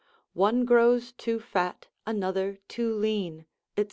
One grows to fat, another too lean, &c.